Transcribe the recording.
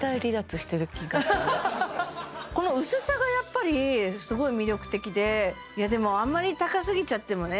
この薄さがやっぱりすごい魅力的でいやでもあんまり高すぎちゃってもね